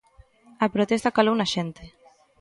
A protesta calou na xente.